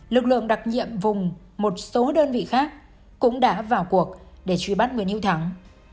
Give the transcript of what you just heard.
lực lượng đặc nhiệm vùng một số đơn vị khác cũng đã vào cuộc để truy bắt nguyễn hữu thắng